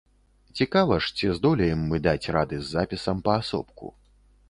Цікава ж, ці здолеем мы даць рады з запісам паасобку.